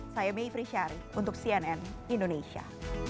saya mayfri syari untuk cnn indonesia